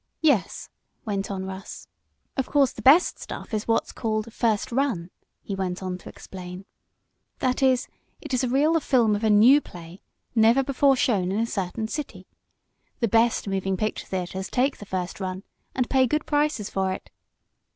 "Yes," went on Russ. "Of course the best stuff is what is called 'first run,'" he went on to explain. "That is, it is a reel of film of a new play, never before shown in a certain city. The best moving picture theaters take the first run, and pay good prices for it.